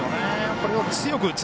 これを強く打つ。